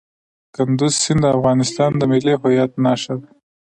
کندز سیند د افغانستان د ملي هویت نښه ده.